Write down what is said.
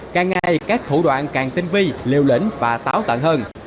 càng ngày các thủ đoạn càng tinh vi liều lĩnh và táo tận hơn